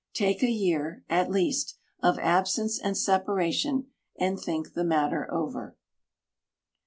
Take a year, at least, of absence and separation, and think the matter over.